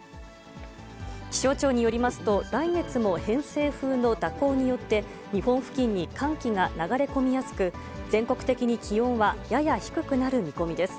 気象庁によりますと、来月も偏西風の蛇行によって、日本付近に寒気が流れ込みやすく、全国的に気温はやや低くなる見込みです。